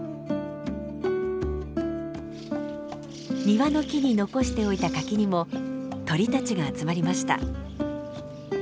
庭の木に残しておいた柿にも鳥たちが集まりました。